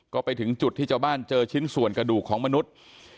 ก็ไปถึงจุดที่เจ้าบ้านเจอชิ้นส่วนกระดูกของมนุษย์